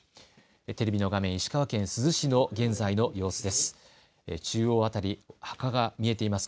テレビの画面、石川県珠洲市の現在の様子です。